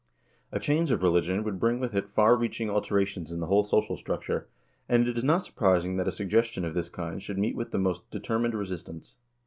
A change of religion would bring with it far reaching alterations in the whole social structure, and it is not surprising that a suggestion of this kind should meet with the most determined resistance.